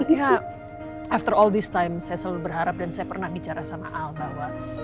ya setelah semua waktu ini saya selalu berharap dan saya pernah bicara sama al bahwa